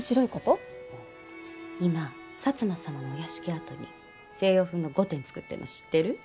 今摩様のお屋敷跡に西洋風の御殿造ってんの知ってる？